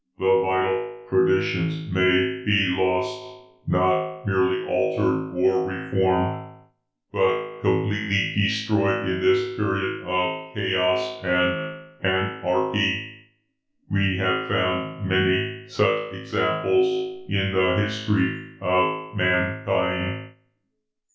The vital traditions may be lost not merely altered or reformed, but completely destroyed in this period of chaos and anarchy. We have found many such examples in the history of mankind.